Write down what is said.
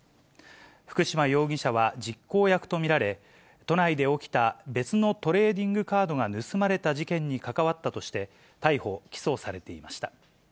福嶋容疑者は実行役と見られ、都内で起きた別のトレーディングカードが盗まれた事件に関わったとして、逮捕・起訴されていました。